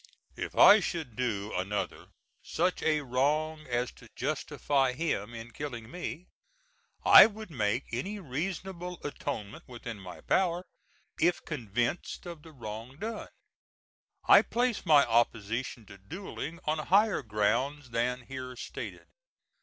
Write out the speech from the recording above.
If I should do another such a wrong as to justify him in killing me, I would make any reasonable atonement within my power, if convinced of the wrong done. I place my opposition to duelling on higher grounds than here stated.